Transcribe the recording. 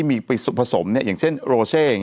มีสารตั้งต้นเนี่ยคือยาเคเนี่ยใช่ไหมคะ